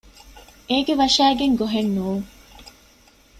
އޭގެ ވަށައިގެން ގޮހެއް ނޫން